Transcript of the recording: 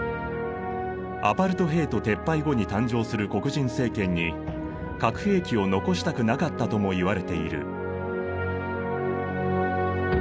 アパルトヘイト撤廃後に誕生する黒人政権に核兵器を残したくなかったともいわれている。